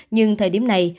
nhưng thời điểm này